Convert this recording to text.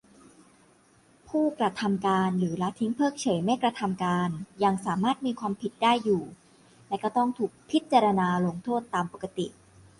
ผู้กระทำการหรือละทิ้งเพิกเฉยไม่กระทำการ ยังสามารถมีความผิดได้อยู่ และก็ต้องถูกพิจารณาลงโทษตามปกติ